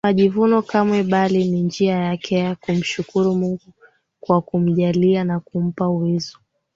majivuno kamwe bali ni njia yake ya kumshukuru Mungu kwa kumjalia na kumpa uwezo